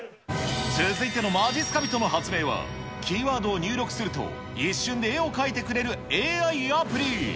続いてのまじっすか人の発明は、キーワードを入力すると、一瞬で絵を描いてくれるＡＩアプリ。